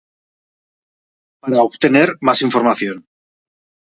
Para obtener más información